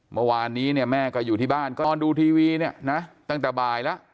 เมื่อวานนี้เนี่ยแม่ก็อยู่ที่บ้านก็ดูทีวีเนี่ยนะตั้งแต่บ่ายแล้ว